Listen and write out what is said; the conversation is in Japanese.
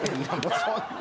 そんな。